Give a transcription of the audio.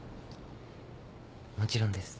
もちろんです。